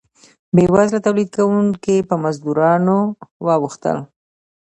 بیوزله تولید کوونکي په مزدورانو واوښتل.